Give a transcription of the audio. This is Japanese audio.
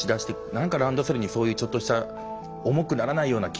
何かランドセルにそういうちょっとした重くならないような機能。